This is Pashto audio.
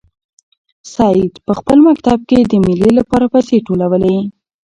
سعید په خپل مکتب کې د مېلې لپاره پیسې ټولولې.